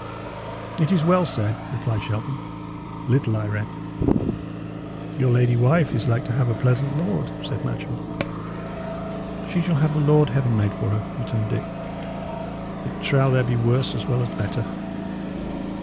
"It is well said," replied Shelton. "Little I reck." "Your lady wife is like to have a pleasant lord," said Matcham. "She shall have the lord Heaven made her for," returned Dick. "It trow there be worse as well as better."